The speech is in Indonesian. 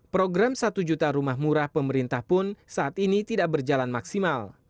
program satu juta rumah murah pemerintah pun saat ini tidak berjalan maksimal